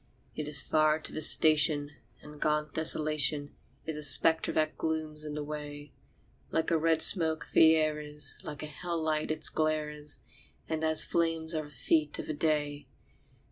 It is far to the station, and gaunt Desolation Is a spectre that glooms in the way; Like a red smoke the air is, like a hell light its glare is, And as flame are the feet of the day.